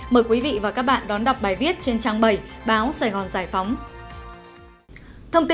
mời quý vị và các bạn đón đọc bài viết trên trang bảy báo sài gòn giải phóng